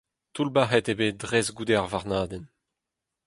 Toullbac'het eo bet dres goude ar varnadenn.